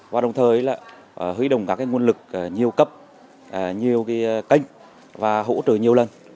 và đồng thời là huy động các nguồn lực nhiều cấp nhiều kênh và hỗ trợ nhiều lần